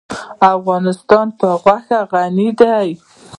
افغانستان په غوښې غني دی.